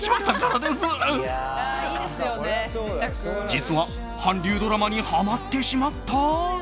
実は韓流ドラマにハマってしまった？